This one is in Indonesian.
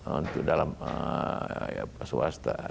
untuk dalam swasta